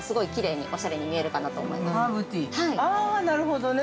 ああ、なるほどね。